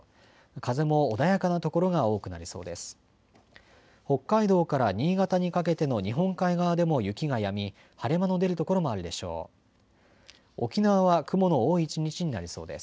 風も穏やかなところが多くなりそうです。